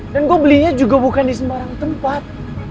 dan gue belinya juga bukan di sembarang tempat